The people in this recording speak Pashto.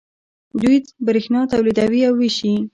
دوی بریښنا تولیدوي او ویشي.